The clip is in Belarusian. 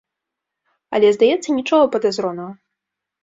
Але, здаецца, нічога падазронага.